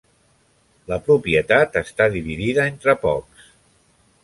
La propietat està dividida entre pocs.